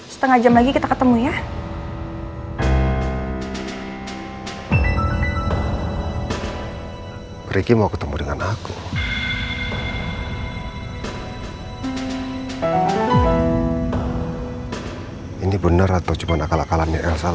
saksikan esports star indonesia season tiga di gtv